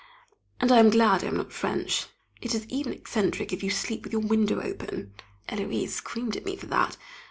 And I am glad I am not French. It is even eccentric if you sleep with your window open; Héloise screamed at me for that.